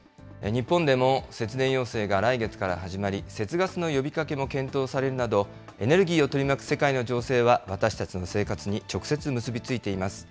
日本でも節電要請が来月から始まり、節ガスの呼びかけも検討されるなど、エネルギーを取り巻く世界の情勢は私たちの生活に直接結び付いています。